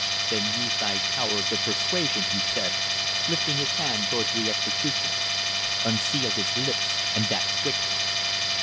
"Then use thy powers of persuasion," he said, lifting his hand towards the executioner. "Unseal his lips, and that quickly."